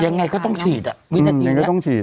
ยังไงก็ต้องฉีดอะอื้อยังไงก็ต้องฉีด